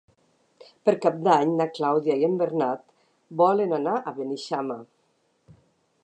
Per Cap d'Any na Clàudia i en Bernat volen anar a Beneixama.